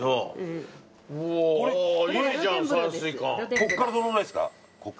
ここからどのくらいですか？